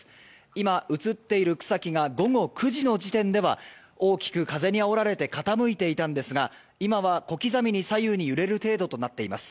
今、映っている草木が午後９時の時点では大きく風にあおられて傾いていたんですが今は小刻みに左右に揺れる程度となっています。